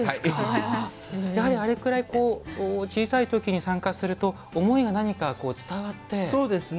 やはり、あれくらい小さき時に参加すると思いが伝わって。